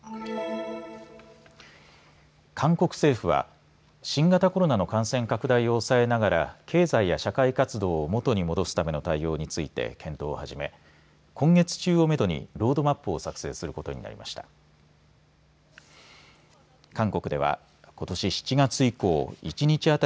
韓国政府は新型コロナの感染拡大を抑えながら経済や社会活動を元に戻すための対応について検討を始め今月中をめどにロードマップを作成することになりました。